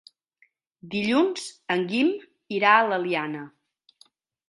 Dilluns en Guim irà a l'Eliana.